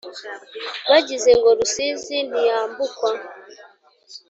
Bagize ngo Rusizi ntiyambukwa,